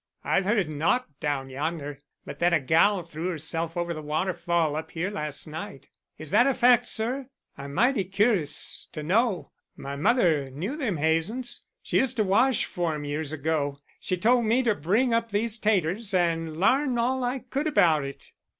"I've heard naught down yonder, but that a gal threw herself over the waterfall up here last night. Is that a fact, sir? I'm mighty curus to know. My mother knew them Hazens; used to wash for 'em years ago. She told me to bring up these taters and larn all I could about it."